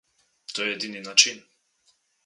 To je edini način.